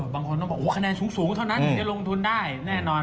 บางคนต้องบอกคะแนนสูงเท่านั้นถึงจะลงทุนได้แน่นอน